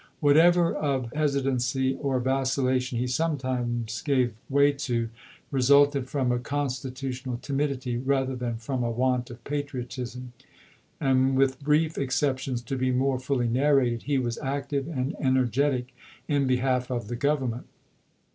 Whatever of hesitancy or vacilla tion he sometimes gave way to, resulted from a constitutional timidity rather than from a want of patriotism ; and with brief exceptions to be more fully narrated, he was active and energetic in be half of the Government.